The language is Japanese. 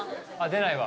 出ないわ。